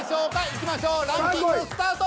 いきましょうランキングスタート！